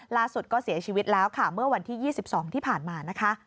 ล่าสุดก็เสียชีวิตแล้วค่ะเมื่อวันที่๒๒ที่ผ่านมานะคะ